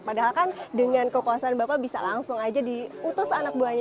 padahal kan dengan kekuasaan bapak bisa langsung aja diutus anak buahnya